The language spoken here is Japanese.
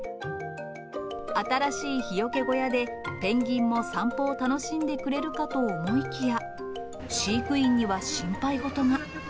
新しい日よけ小屋で、ペンギンも散歩を楽しんでくれるかと思いきや、飼育員には心配事が。